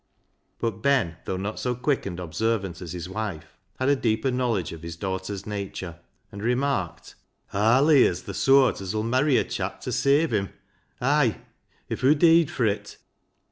But Ben, though not so quick and observant as his wife, had a deeper knowledge of his daughter's nature, and remarked —" Aar Leah's th' sooart as 'ull merry a chap ta save him — ay, if hoo deed fur it."